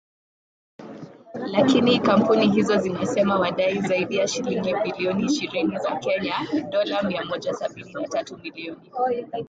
Lakini kampuni hizo zinasema wanadai zaidi ya shilingi bilioni ishirini za Kenya (dolla mia moja sabini na tatu milioni).